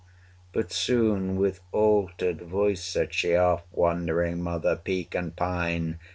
But soon with altered voice, said she 'Off, wandering mother! Peak and pine!